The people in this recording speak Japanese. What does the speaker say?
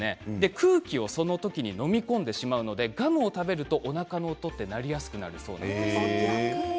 空気をその時飲み込んでしまうのでガムを食べるとおなかの音って鳴りやすくなるそうです。